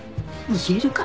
言えるか！